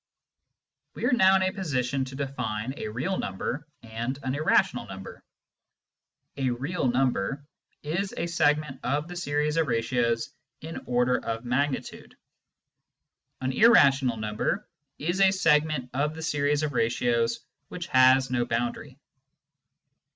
We are now in a position to define a real number and an irrational number. A " real number " is a segment of the series of ratios in order of magnitude. An " irrational number " is a segment of the series of ratios which has no boundary.